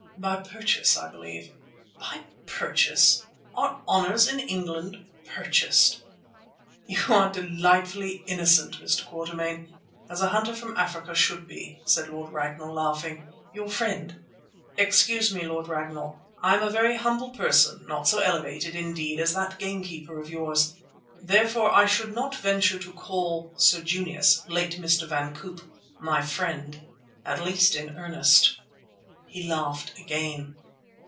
"By purchase, I believe." "By purchase! Are honours in England purchased?" "You are delightfully innocent, Mr. Quatermain, as a hunter from Africa should be," said Lord Ragnall, laughing. "Your friend——" "Excuse me, Lord Ragnall, I am a very humble person, not so elevated, indeed, as that gamekeeper of yours; therefore I should not venture to call Sir Junius, late Mr. van Koop, my friend, at least in earnest." He laughed again.